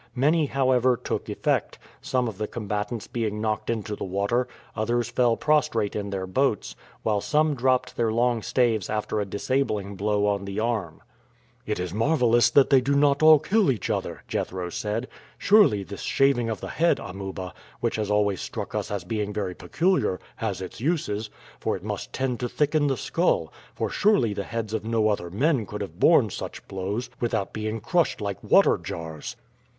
Many, however, took effect, some of the combatants being knocked into the water, others fell prostrate in their boats, while some dropped their long staves after a disabling blow on the arm. "It is marvelous that they do not all kill each other," Jethro said. "Surely this shaving of the head, Amuba, which has always struck us as being very peculiar, has its uses, for it must tend to thicken the skull, for surely the heads of no other men could have borne such blows without being crushed like water jars."